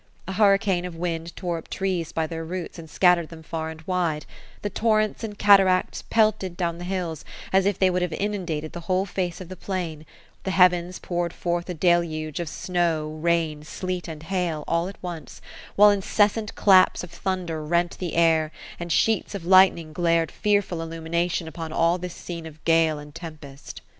A hurricane of wind tore up trees by their roots, and scattered them far and wide ; the torrents and cataracts pelted down the hills, as if they would have inundated the whole face of the plain ; the heavens poured forth a deluge of snow, rain, sleet, and hail, all at once, while incessant daps of thunder rent the air, and sheets of lightning glared fearful illumination upon all this scene of gale and tem pest.